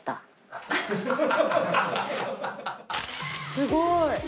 すごーい！